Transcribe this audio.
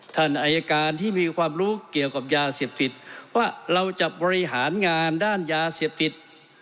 ท่านอายการที่มีความรู้เกี่ยวกับยาเสพติดว่าเราจะบริหารงานด้านยาเสพติด